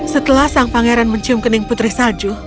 setelah sang pangeran mencium kening putri salju